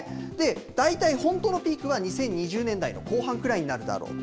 大体本当のピークは２０２０年代の後半くらいになるだろうと。